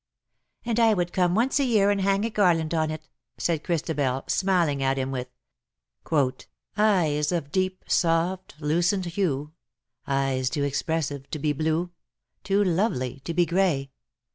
'^''Anci I would come once a year and hang a garland on it/' said Christabel^ smiling at him with " Eyes of deep, soft, lucent hue — Eyes too expressive to be blue, Too lovely to be grey."